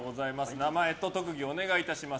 名前と特技をお願いします。